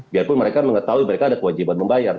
biarpun mereka mengetahui mereka ada kewajiban membayar